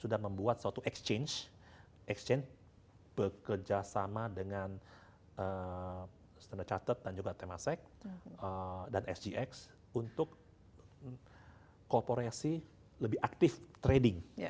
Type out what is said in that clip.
sudah membuat suatu exchange exchange bekerjasama dengan standard chartered dan juga temasek dan sgx untuk kolporasi lebih aktif trading